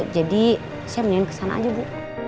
jadi saya minta dia kesana aja bu